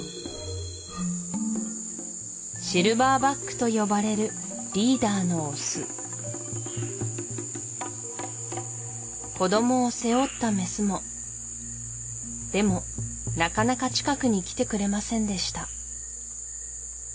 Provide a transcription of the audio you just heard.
シルバーバックと呼ばれるリーダーのオス子どもを背負ったメスもでもなかなか近くに来てくれませんでした